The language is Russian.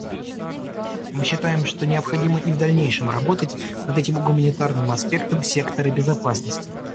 Мы считаем, что необходимо и в дальнейшем работать над этим гуманитарным аспектом сектора безопасности.